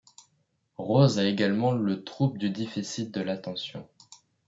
Rose a également le trouble du déficit de l'attention.